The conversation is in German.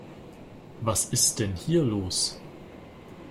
Was ist denn hier los?